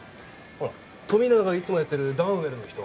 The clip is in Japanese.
ほら富永がいつもやってるダウンウェルの人